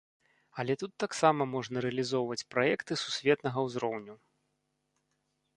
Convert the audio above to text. Але тут таксама можна рэалізоўваць праекты сусветнага ўзроўню.